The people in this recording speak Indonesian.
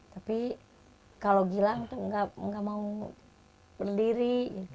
tapi kalau gilang tuh nggak mau berdiri